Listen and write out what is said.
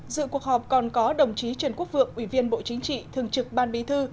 dự cuộc họp còn có đồng chí trần quốc vượng ủy viên bộ chính trị thường trực ban bí thư